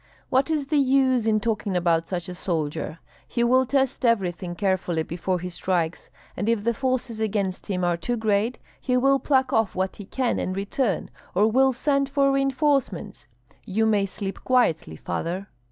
"What is the use in talking about such a soldier? He will test everything carefully before he strikes; and if the forces against him are too great, he will pluck off what he can and return, or will send for reinforcements. You may sleep quietly, father."